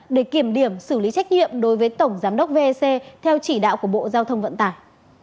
để kiểm điểm xử lý trách nhiệm đối với tổng giám đốc vec theo chỉ đạo của bộ giao thông vận tải